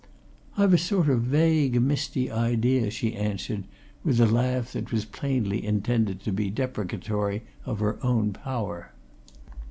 "I've a sort of vague, misty idea," she answered, with a laugh that was plainly intended to be deprecatory of her own power.